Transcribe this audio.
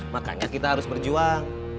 makanya kita harus berjuang